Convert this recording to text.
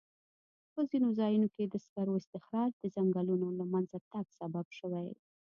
په ځینو ځایونو کې د سکرو استخراج د ځنګلونو له منځه تګ سبب شوی.